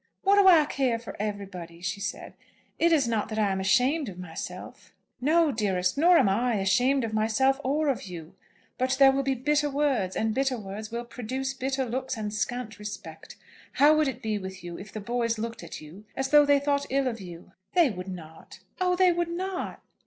"What do I care for everybody?" she said. "It is not that I am ashamed of myself." "No, dearest; nor am I, ashamed of myself or of you. But there will be bitter words, and bitter words will produce bitter looks and scant respect. How would it be with you if the boys looked at you as though they thought ill of you?" "They would not; oh, they would not!"